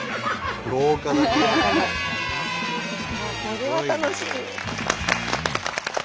これは楽しい。